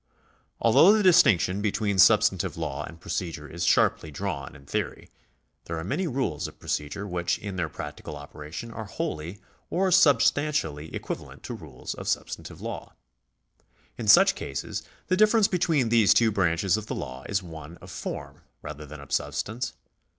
Although the distinction between substantive law and procedure is sharply drawn in theory, there are many rules of procedure which in their practical operation are wholly or substantially equivalent to rules of substantive law. In such cases the difference between these two branches of the law is one of form rather than of substance.